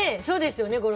そうですよね？